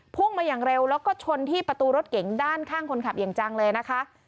พุ่งมาอย่างเร็วแล้วก็ชนที่ประตูรถเก๋งด้านข้างคนขับอย่างจังเลยนะคะ